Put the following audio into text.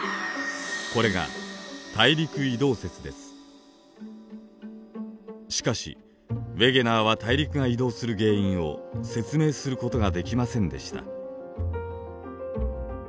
これがしかしウェゲナーは大陸が移動する原因を説明することができませんでした。